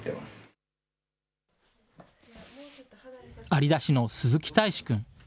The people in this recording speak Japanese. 有田市の鈴木替詞君。